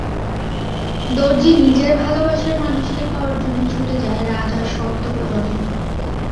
দর্জি নিজের ভালোবাসার মানুষকে পাওয়ার জন্য ছুটে যায় রাজার শর্ত পূরণে।